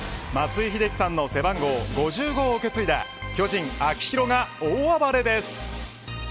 松井秀喜さんの背番号５５を受け継いだ巨人、秋広が大暴れです。